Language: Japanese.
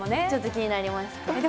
ちょっと気になりました。